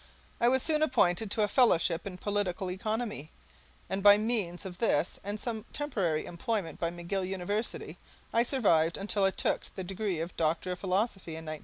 I was soon appointed to a Fellowship in political economy, and by means of this and some temporary employment by McGill University, I survived until I took the degree of Doctor of Philosophy in 1903.